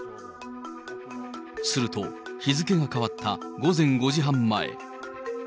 すると日付が変わった午前５時半前。